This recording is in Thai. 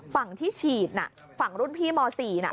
ฝั่งที่ฉีดน่ะฝั่งรุ่นพี่ม๔น่ะ